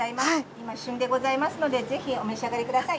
今旬でございますので是非お召し上がりください。